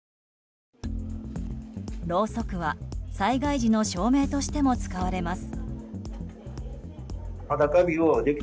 ろうそくは災害時の照明としても使われます。